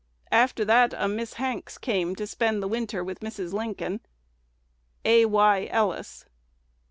After that a Miss Hanks came to spend the winter with Mrs. Lincoln." A. Y. Ellis.